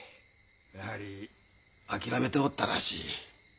やはり諦めておったらしい。